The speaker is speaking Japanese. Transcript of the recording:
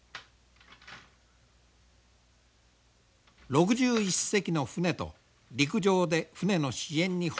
６１隻の船と陸上で船の支援に奔走する船主たち。